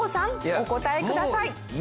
お答えください。